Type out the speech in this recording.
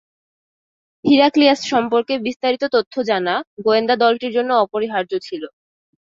Heraclius সম্পর্কে বিস্তারিত তথ্য জানা গোয়েন্দা দলটির জন্য অপরিহার্য ছিল।